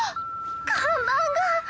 看板が。